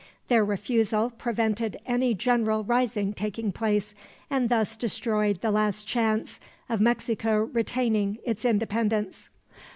Their refusal prevented any general rising taking place, and thus destroyed the last chance of Mexico retaining its independence.